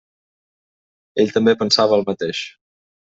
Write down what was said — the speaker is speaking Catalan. Ell també pensava el mateix.